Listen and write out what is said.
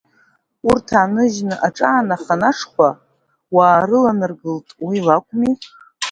Урҭ ааныжьны аҿаанахан ашхәа, уааланаргылахт уи лакәми!